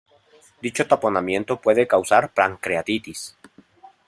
Dicho taponamiento puede causar pancreatitis.